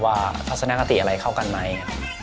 ว่าพัฒนากฎิอะไรเข้ากันไหม